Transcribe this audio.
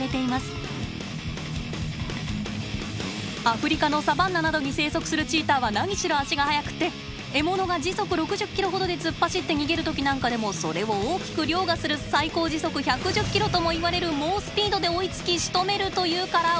アフリカのサバンナなどに生息するチーターは何しろ足が速くって獲物が時速６０ｋｍほどで突っ走って逃げる時なんかでもそれを大きくりょうがする最高時速１１０ｋｍともいわれる猛スピードで追いつきしとめるというから驚きです。